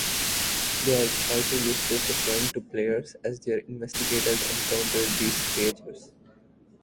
They are also useful for showing to players as their Investigators encounter these creatures.